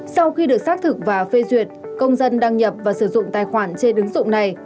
sau khi được xác thực và phê duyệt công dân đăng nhập và sử dụng tài khoản trên ứng dụng này